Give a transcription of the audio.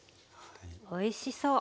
おいしそう。